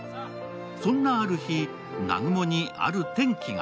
そんなある日、南雲にある転機が。